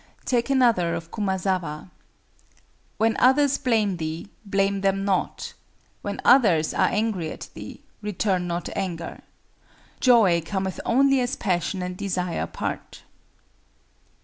Take another of Kumazawa:—"When others blame thee, blame them not; when others are angry at thee, return not anger. Joy cometh only as Passion and Desire part."